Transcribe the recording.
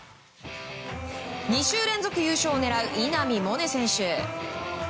２週連続優勝を狙う稲見萌寧選手。